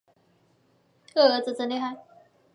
二儿子真厉害